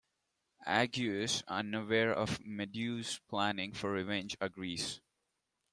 Aegeus, unaware of Medea's plans for revenge, agrees.